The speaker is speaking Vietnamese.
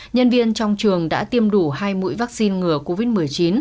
nhân viên trong trường đã tiêm đủ hai mũi vaccine ngừa covid một mươi chín